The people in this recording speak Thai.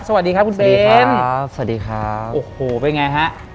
สวัสดีครับคุณเบนโอ้โหไปไงฮะสวัสดีครับ